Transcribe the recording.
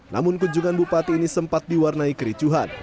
namun kunjungan bupati ini sempat diwarnai kericuhan